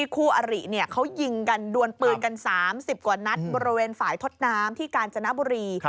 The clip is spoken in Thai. คู่อริเขายิงกันดวนปืนกัน๓๐กว่านัดบริเวณฝ่ายทดน้ำที่กาญจนบุรี